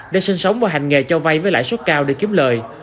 để sinh sống và hành nghề cho vay với lãi suất cao để kiếm lời